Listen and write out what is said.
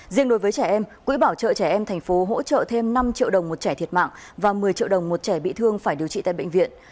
riêng đối với trẻ em quỹ bảo trợ trẻ em thành phố hỗ trợ thêm năm triệu đồng một trẻ thiệt mạng và một mươi triệu đồng một trẻ bị thương phải điều trị tại bệnh viện